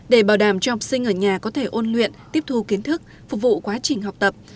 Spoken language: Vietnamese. để bảo đảm cho học sinh ở nhà có thể ôn luyện tiếp thu kiến thức phục vụ quá trình học tập